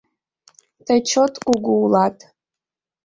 — Тый чот кугу улат.